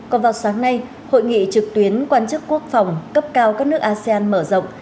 còn vào sáng nay hội nghị trực tuyến quan chức quốc phòng cấp cao các nước asean mở rộng